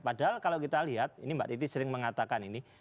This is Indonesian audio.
padahal kalau kita lihat ini mbak titi sering mengatakan ini